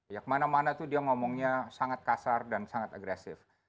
ya kemana mana tuh dia ngomongnya sangat kasar dan sangat agresif